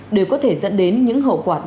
đều có thể dẫn đến những hậu quả đáng chú ý